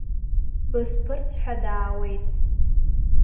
Бысԥырҵ ҳәа даауеит!